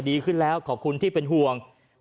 ดีขึ้นแล้วขอบคุณที่เป็นห่วง